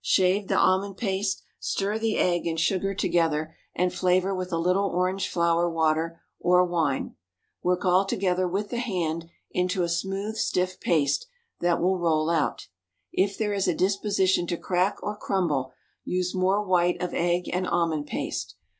Shave the almond paste, stir the egg and sugar together, and flavor with a little orange flower water or wine; work all together with the hand into a smooth, stiff paste that will roll out; if there is a disposition to crack or crumble, use more white of egg and almond paste.